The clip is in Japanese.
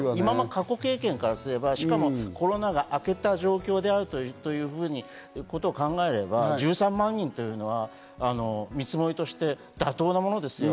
過去経験からすれば、しかもコロナがあけた状況であるというふうに考えれば１３万人というのは見積もりとして妥当なものです。